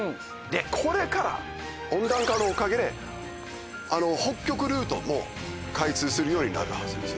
これから温暖化のおかげで北極ルートも開通するようになるはずですよね。